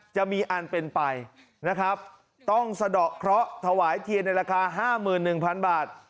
จะมีอันเป็นไปนะครับต้องสะดอกเคราะห์ถวายเทียนในราคา๕๑๐๐๐บาท